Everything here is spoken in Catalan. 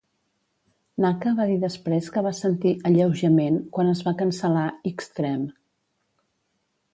Naka va dir després que va sentir "alleujament" quan es va cancel·lar "X-treme".